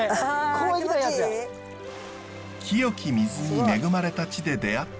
清き水に恵まれた地で出会ったのが。